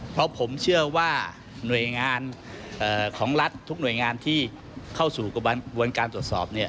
เพราะผมเชื่อว่าหน่วยงานของรัฐทุกหน่วยงานที่เข้าสู่กระบวนการตรวจสอบ